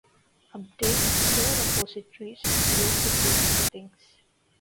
update your repositories to your preferred settings